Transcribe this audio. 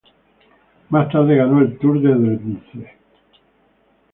Más tarde ganó el Tour de Drenthe.